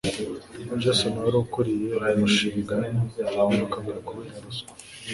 jason wari ukuriye umushinga, yirukanwe kubera ruswa